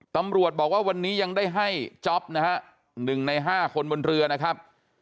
ตำรวจบอกว่าวันนี้ยังได้ให้จ๊อปนะฮะ๑ใน๕คนบนเรือนะครับ